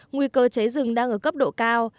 nguy cơ cháy rừng đang ở cấp độ cao